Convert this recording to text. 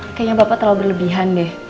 kayaknya bapak terlalu berlebihan deh